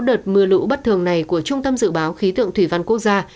đợt mưa lũ bất thường này của trung tâm dự báo khí tượng thủy văn quốc gia